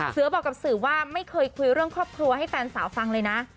เสือบอกกับสื่อว่าไม่เคยคุยเรื่องครอบครัวให้แฟนสาวฟังเลยนะ